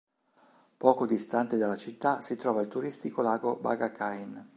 Poco distante dalla città si trova il turistico lago Bagakain.